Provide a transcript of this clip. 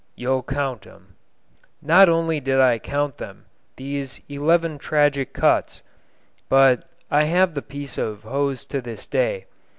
You'll count 'em." Not only did I count them, these eleven tragic cuts, but I have the piece of hose to this day.